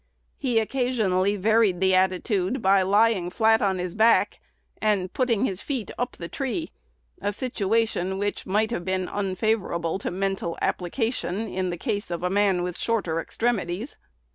He occasionally varied the attitude by lying flat on his back, and "putting his feet up the tree" a situation which might have been unfavorable to mental application in the case of a man with shorter extremities.